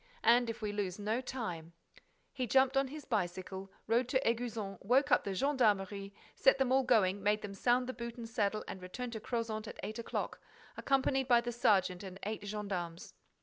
And, if we lose no time—" He jumped on his bicycle, rode to Éguzon, woke up the gendarmerie, set them all going, made them sound the boot and saddle and returned to Crozant at eight o'clock, accompanied by the sergeant and eight gendarmes.